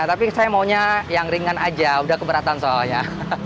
tapi saya maunya yang ringan saja sudah keberatan soalnya